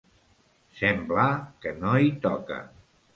Semblar que no hi toca.